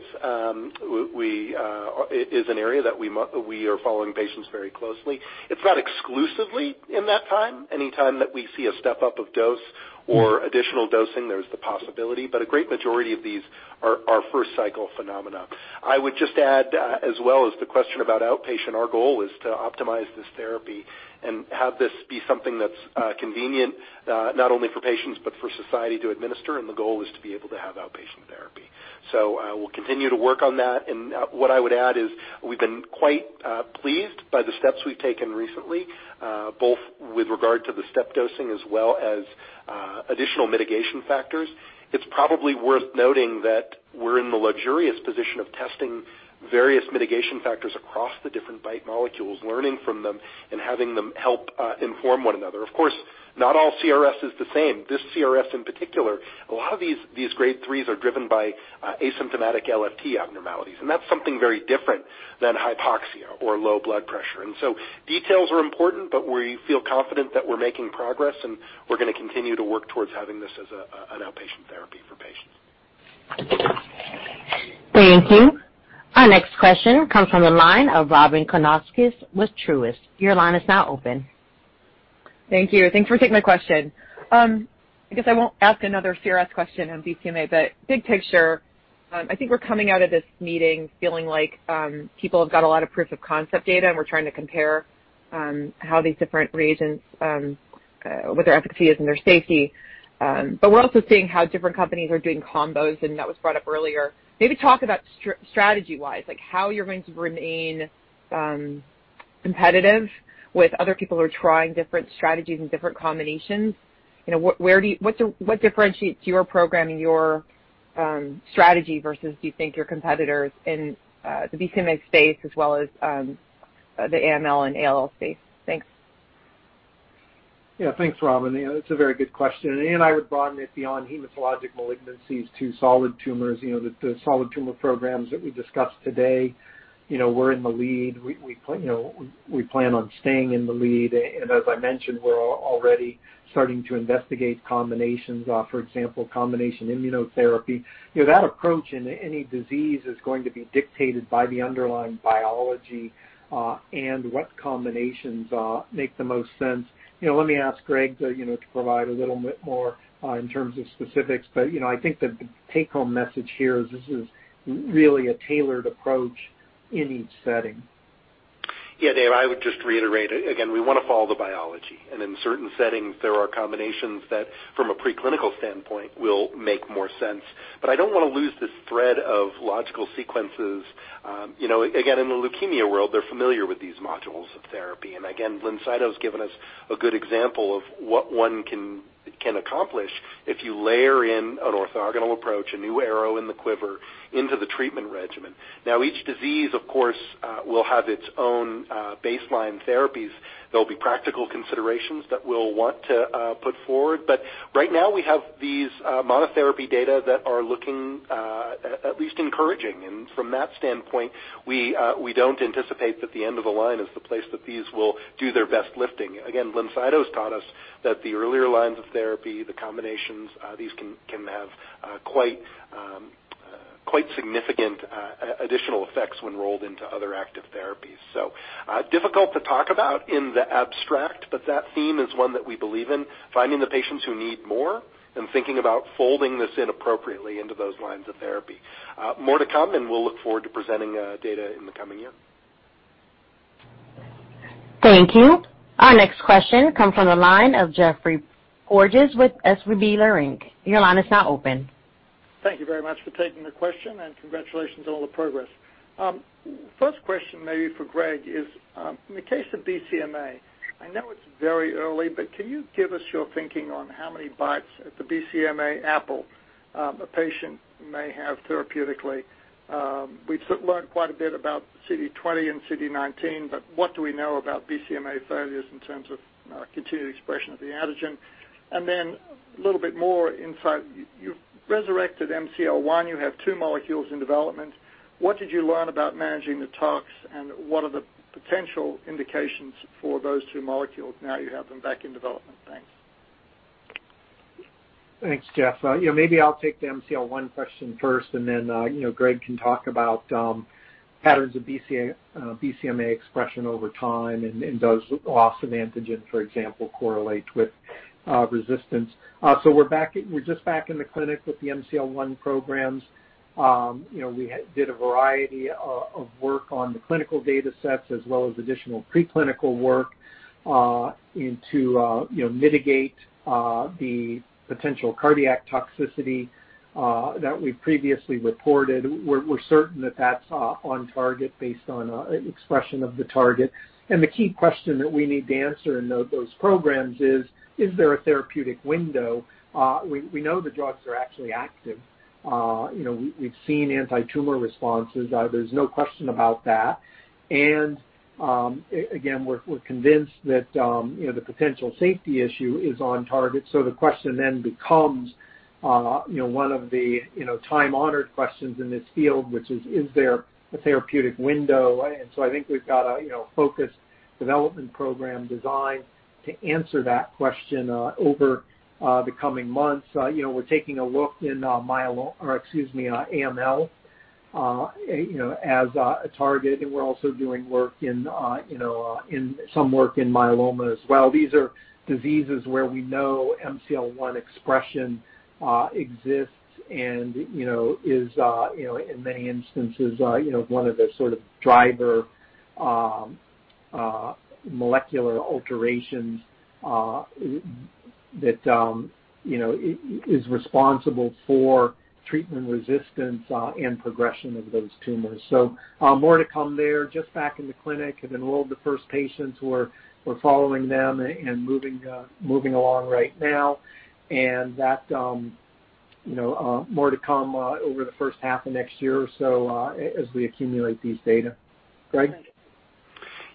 it is an area that we are following patients very closely. It's not exclusively in that time. Anytime that we see a step-up of dose or additional dosing, there's the possibility, but a great majority of these are first-cycle phenomena. I would just add as well as the question about outpatient, our goal is to optimize this therapy and have this be something that's convenient not only for patients but for society to administer, and the goal is to be able to have outpatient therapy. We'll continue to work on that, and what I would add is we've been quite pleased by the steps we've taken recently, both with regard to the step dosing as well as additional mitigation factors. It's probably worth noting that we're in the luxurious position of testing various mitigation factors across the different BiTE molecules, learning from them, and having them help inform one another. Of course, not all CRS is the same. This CRS in particular, a lot of these Grade 3s are driven by asymptomatic LFT abnormalities, and that's something very different than hypoxia or low blood pressure. Details are important, but we feel confident that we're making progress, and we're going to continue to work towards having this as an outpatient therapy. Thank you. Our next question comes from the line of Robyn Karnauskas with Truist. Thank you. Thanks for taking my question. I guess I won't ask another CRS question on BCMA, big picture, I think we're coming out of this meeting feeling like people have got a lot of proof of concept data, and we're trying to compare how these different reagents, what their efficacy is and their safety. We're also seeing how different companies are doing combos, and that was brought up earlier. Maybe talk about strategy-wise, how you're going to remain competitive with other people who are trying different strategies and different combinations. What differentiates your program and your strategy versus, do you think, your competitors in the BCMA space as well as the AML and ALL space? Thanks. Yeah, thanks, Robyn. It's a very good question. I would broaden it beyond hematologic malignancies to solid tumors. The solid tumor programs that we discussed today, we're in the lead. We plan on staying in the lead. As I mentioned, we're already starting to investigate combinations. For example, combination immunotherapy. That approach in any disease is going to be dictated by the underlying biology and what combinations make the most sense. Let me ask Greg to provide a little bit more in terms of specifics. I think the take-home message here is this is really a tailored approach in each setting. Yeah, Dave, I would just reiterate it again. We want to follow the biology, and in certain settings, there are combinations that, from a preclinical standpoint, will make more sense. I don't want to lose this thread of logical sequences. Again, in the leukemia world, they're familiar with these modules of therapy. Again, BLINCYTO's given us a good example of what one can accomplish if you layer in an orthogonal approach, a new arrow in the quiver into the treatment regimen. Now, each disease, of course, will have its own baseline therapies. There'll be practical considerations that we'll want to put forward. Right now, we have these monotherapy data that are looking at least encouraging. From that standpoint, we don't anticipate that the end of the line is the place that these will do their best lifting. BLINCYTO's taught us that the earlier lines of therapy, the combinations, these can have quite significant additional effects when rolled into other active therapies. Difficult to talk about in the abstract, but that theme is one that we believe in, finding the patients who need more and thinking about folding this in appropriately into those lines of therapy. More to come. We'll look forward to presenting data in the coming year. Thank you. Our next question comes from the line of Geoffrey Porges with SVB Leerink. Your line is now open. Thank you very much for taking the question, and congratulations on all the progress. First question maybe for Greg is, in the case of BCMA, I know it's very early, but can you give us your thinking on how many bites at the BCMA apple a patient may have therapeutically? We've learned quite a bit about CD20 and CD19, but what do we know about BCMA failures in terms of continued expression of the antigen? A little bit more insight. You've resurrected MCL-1. You have two molecules in development. What did you learn about managing the tox, and what are the potential indications for those two molecules now you have them back in development? Thanks. Thanks, Geoff. Maybe I'll take the MCL-1 question first, then Greg can talk about patterns of BCMA expression over time and does loss of antigen, for example, correlate with resistance. We're just back in the clinic with the MCL-1 programs. We did a variety of work on the clinical data sets as well as additional preclinical work to mitigate the potential cardiac toxicity that we previously reported. We're certain that's on target based on expression of the target. The key question that we need to answer in those programs is there a therapeutic window? We know the drugs are actually active. We've seen anti-tumor responses. There's no question about that. Again, we're convinced that the potential safety issue is on target. The question then becomes one of the time-honored questions in this field, which is there a therapeutic window? So I think we've got a focused development program designed to answer that question over the coming months. We're taking a look in myeloma, or excuse me, AML as a target, and we're also doing some work in myeloma as well. These are diseases where we know MCL-1 expression exists and is, in many instances, one of the sort of driver molecular alterations that is responsible for treatment resistance and progression of those tumors. More to come there. Just back in the clinic. Have enrolled the first patients. We're following them and moving along right now, and more to come over the first half of next year or so as we accumulate these data.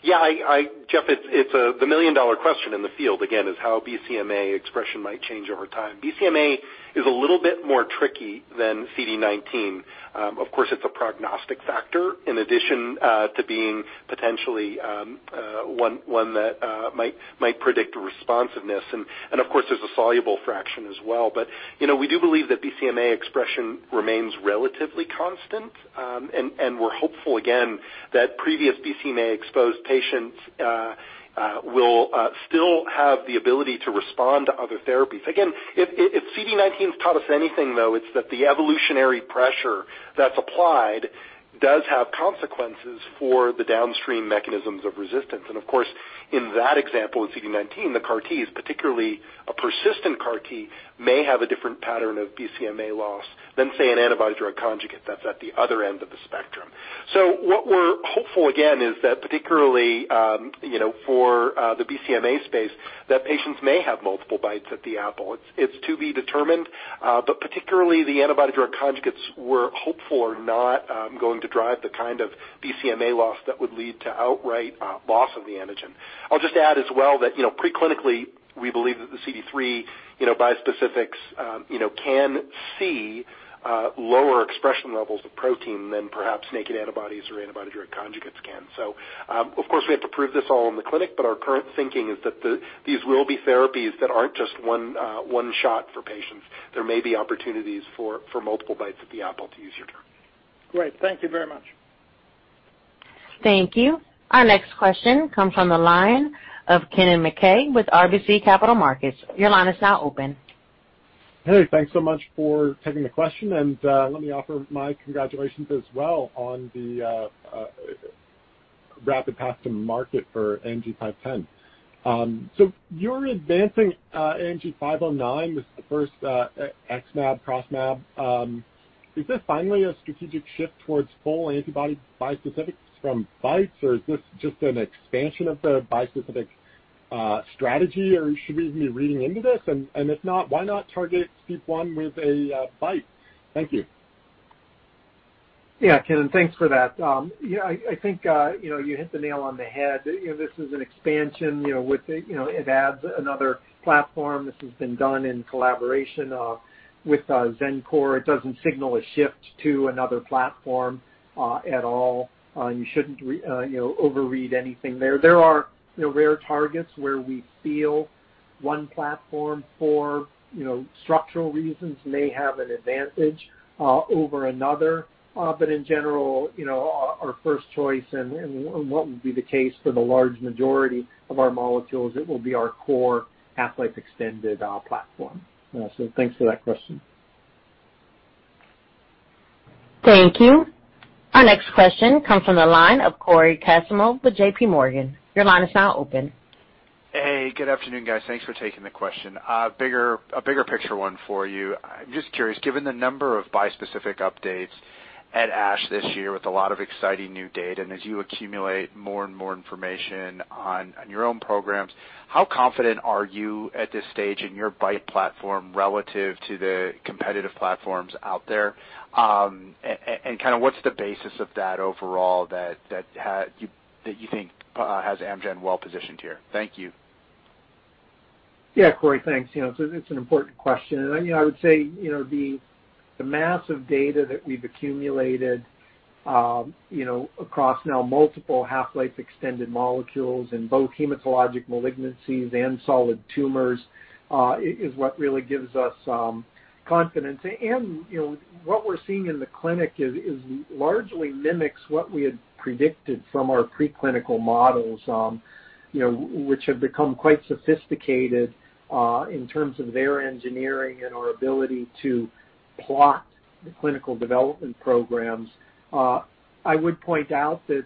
Greg? Yeah, Geoff, it's the million-dollar question in the field, again, is how BCMA expression might change over time. BCMA is a little bit more tricky than CD19. Of course, it's a prognostic factor in addition to being potentially one that might predict responsiveness. Of course, there's a soluble fraction as well. We do believe that BCMA expression remains relatively constant, and we're hopeful again that previous BCMA-exposed patients will still have the ability to respond to other therapies. Again, if CD19 has taught us anything, though, it's that the evolutionary pressure that's applied does have consequences for the downstream mechanisms of resistance. Of course, in that example, in CD19, the CAR T is particularly a persistent CAR T may have a different pattern of BCMA loss than, say, an antibody drug conjugate that's at the other end of the spectrum. What we're hopeful again is that particularly, for the BCMA space, that patients may have multiple bites at the apple. It's to be determined, but particularly the antibody drug conjugates we're hopeful are not going to drive the kind of BCMA loss that would lead to outright loss of the antigen. I'll just add as well that pre-clinically, we believe that the CD3 bispecifics can see lower expression levels of protein than perhaps naked antibodies or antibody drug conjugates can. Of course, we have to prove this all in the clinic, but our current thinking is that these will be therapies that aren't just one shot for patients. There may be opportunities for multiple bites at the apple, to use your term. Great. Thank you very much. Thank you. Our next question comes from the line of Kennen MacKay with RBC Capital Markets. Your line is now open. Hey, thanks so much for taking the question, and let me offer my congratulations as well on the rapid path to market for AMG 510. You're advancing AMG 509 with the first XmAb, CrossMab. Is this finally a strategic shift towards full antibody bispecifics from BiTEs, or is this just an expansion of the bispecific strategy, or should we even be reading into this? If not, why not target STEAP1 with a BiTE? Thank you. Yeah, Kennen, thanks for that. I think you hit the nail on the head. This is an expansion, it adds another platform. This has been done in collaboration with Xencor. It doesn't signal a shift to another platform at all. You shouldn't overread anything there. There are rare targets where we feel one platform for structural reasons may have an advantage over another. In general, our first choice and what would be the case for the large majority of our molecules, it will be our core half-life extended platform. Thanks for that question. Thank you. Our next question comes from the line of Cory Kasimov with JPMorgan. Your line is now open. Hey, good afternoon, guys. Thanks for taking the question. A bigger picture one for you. I'm just curious, given the number of bispecific updates at ASH this year with a lot of exciting new data, and as you accumulate more and more information on your own programs, how confident are you at this stage in your BiTE platform relative to the competitive platforms out there? What's the basis of that overall that you think has Amgen well-positioned here? Thank you. Yeah, Cory. Thanks. It's an important question. I would say, the massive data that we've accumulated across now multiple half-life extended molecules in both hematologic malignancies and solid tumors, is what really gives us confidence. What we're seeing in the clinic is largely mimics what we had predicted from our pre-clinical models, which have become quite sophisticated in terms of their engineering and our ability to plot the clinical development programs. I would point out that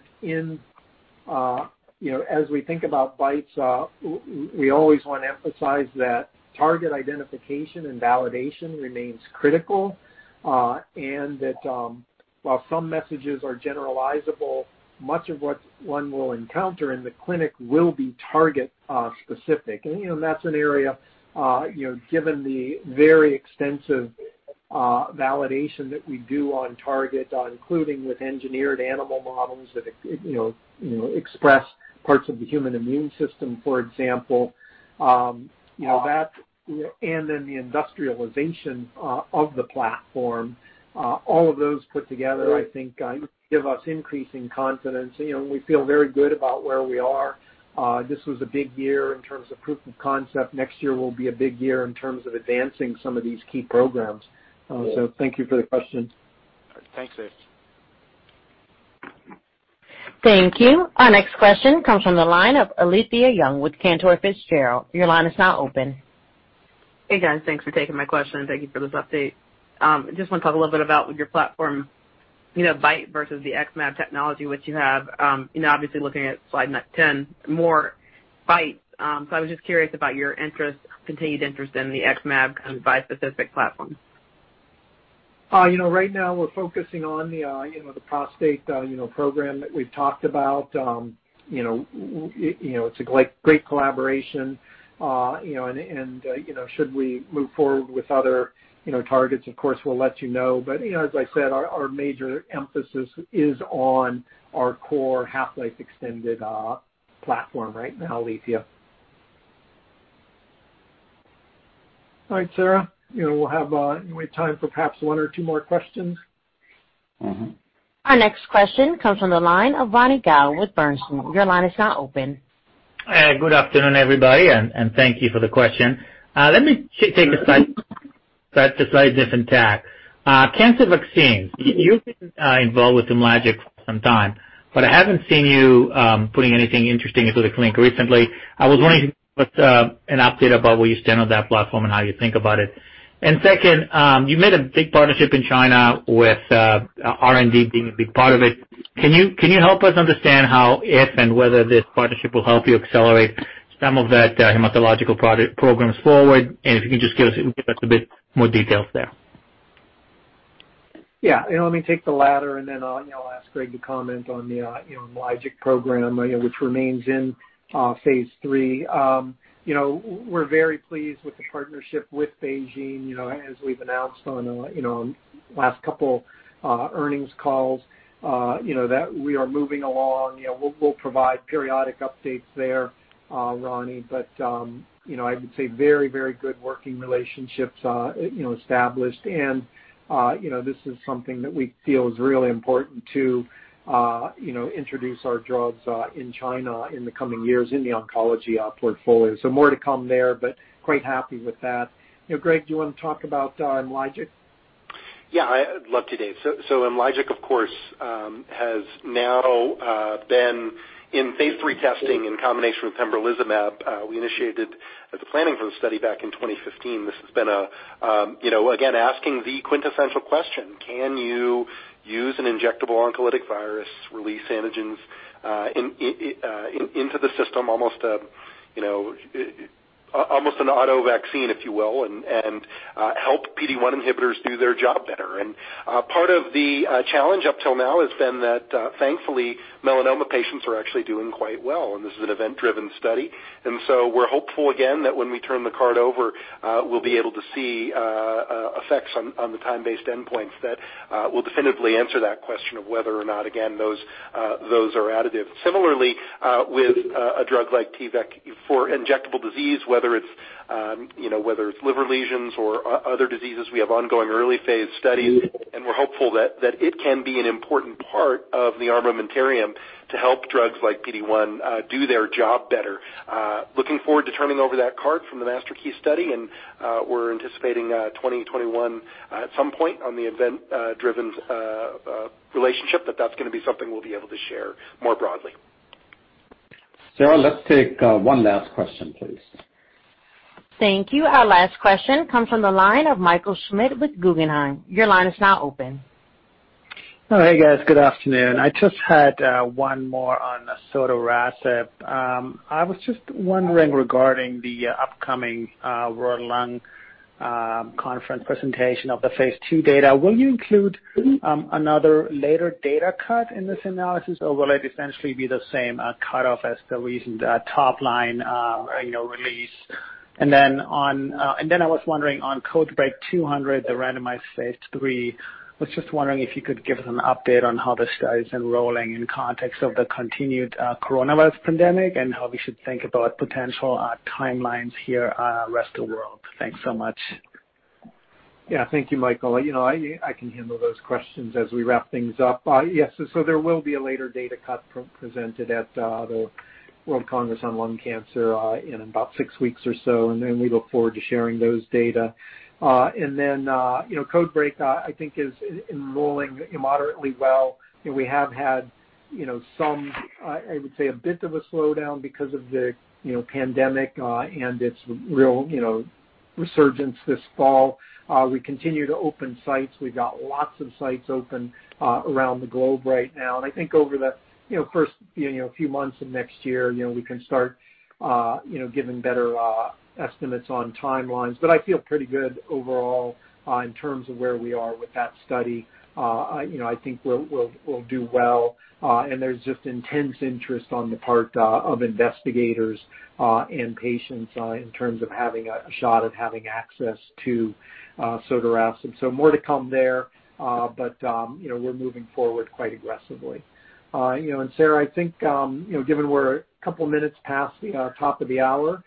as we think about BiTEs, we always want to emphasize that target identification and validation remains critical, and that while some messages are generalizable, much of what one will encounter in the clinic will be target specific. That's an area, given the very extensive validation that we do on target, including with engineered animal models that express parts of the human immune system, for example, and then the industrialization of the platform, all of those put together, I think, give us increasing confidence, and we feel very good about where we are. This was a big year in terms of proof of concept. Next year will be a big year in terms of advancing some of these key programs. Thank you for the question. Thanks, Dave. Thank you. Our next question comes from the line of Alethia Young with Cantor Fitzgerald. Your line is now open. Hey, guys. Thanks for taking my question, and thank you for this update. Just want to talk a little bit about your platform, BiTE versus the XmAb technology, which you have, obviously looking at slide number 10, more BiTEs. I was just curious about your continued interest in the XmAb bispecific platform. Right now, we're focusing on the prostate program that we've talked about. It's a great collaboration. Should we move forward with other targets, of course, we'll let you know. As I said, our major emphasis is on our core half-life extended platform right now, Alethia. All right, Sarah. We have time for perhaps one or two more questions. Our next question comes from the line of Ronny Gal with Bernstein. Your line is now open. Good afternoon, everybody, and thank you for the question. Let me take a slightly different tack. Cancer vaccines. You've been involved with IMLYGIC for some time, but I haven't seen you putting anything interesting into the clinic recently. I was wondering, give us an update about where you stand on that platform and how you think about it. Second, you made a big partnership in China with R&D being a big part of it. Can you help us understand how, if, and whether this partnership will help you accelerate some of that hematological programs forward? If you can just give us a bit more details there. Let me take the latter. Then I'll ask Greg to comment on the IMLYGIC program, which remains in phase III. We're very pleased with the partnership with BeiGene. As we've announced on last couple earnings calls, that we are moving along. We'll provide periodic updates there, Ronny. I would say very good working relationships established. This is something that we feel is really important to introduce our drugs in China in the coming years in the oncology portfolio. More to come there, quite happy with that. Greg, do you want to talk about IMLYGIC? Yeah, I'd love to, Dave. IMLYGIC, of course, has now been in phase III testing in combination with pembrolizumab. We initiated the planning for the study back in 2015. This has been, again, asking the quintessential question. Can you use an injectable oncolytic virus, release antigens into the system almost an autovaccine, if you will, and help PD-1 inhibitors do their job better? Part of the challenge up till now has been that thankfully, melanoma patients are actually doing quite well, and this is an event-driven study. We're hopeful again that when we turn the card over, we'll be able to see effects on the time-based endpoints that will definitively answer that question of whether or not, again, those are additive. Similarly, with a drug like T-VEC for injectable disease, whether it's liver lesions or other diseases, we have ongoing early phase studies, and we're hopeful that it can be an important part of the armamentarium to help drugs like PD-1 do their job better. Looking forward to turning over that card from the MASTERKEY study, and we're anticipating 2021 at some point on the event-driven relationship that that's going to be something we'll be able to share more broadly. Sarah, let's take one last question, please. Thank you. Our last question comes from the line of Michael Schmidt with Guggenheim. Your line is now open. Hey, guys. Good afternoon. I just had one more on sotorasib. I was just wondering regarding the upcoming World Conference on Lung Cancer presentation of the phase II data. Will you include another later data cut in this analysis, or will it essentially be the same cut off as the recent top line release? I was wondering on CodeBreaK 200, the randomized phase III. I was just wondering if you could give us an update on how the study is enrolling in context of the continued coronavirus pandemic and how we should think about potential timelines here rest of world. Thanks so much. Yeah. Thank you, Michael. I can handle those questions as we wrap things up. Yes, there will be a later data cut presented at the World Conference on Lung Cancer in about six weeks or so, and then we look forward to sharing those data. CodeBreaK, I think is enrolling moderately well. We have had some, I would say a bit of a slowdown because of the pandemic and its real resurgence this fall. We continue to open sites. We've got lots of sites open around the globe right now. I think over the first few months of next year, we can start giving better estimates on timelines. I feel pretty good overall in terms of where we are with that study. I think we'll do well. There's just intense interest on the part of investigators and patients in terms of having a shot at having access to sotorasib. More to come there. We're moving forward quite aggressively. Sarah, I think, given we're a couple of minutes past the top of the hour,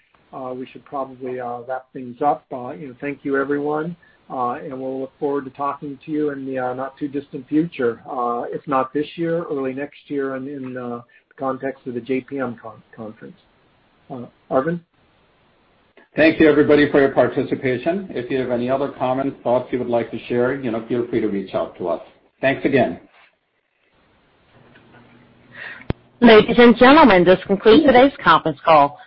we should probably wrap things up. Thank you, everyone. We'll look forward to talking to you in the not-too-distant future. If not this year, early next year in the context of the JPM Conference. Arvind? Thank you, everybody, for your participation. If you have any other comments, thoughts you would like to share, feel free to reach out to us. Thanks again. Ladies and gentlemen, this concludes today's conference call.